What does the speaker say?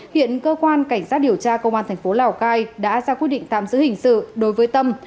hiện cơ quan cảnh sát điều tra công an thành phố lào cai đã ra quyết định tạm giữ hình sự đối với tâm